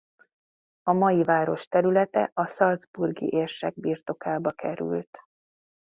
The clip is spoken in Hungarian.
A mai város területe a salzburgi érsek birtokába került.